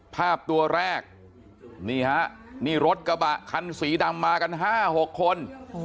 ภาพตัวแรกนี่ฮะนี่รถกระบะคันสีดำมากัน๕๖คน